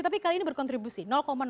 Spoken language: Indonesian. tapi kali ini berkontribusi